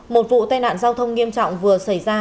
một vụ tai nạn giao thông nghiêm trọng vừa xảy ra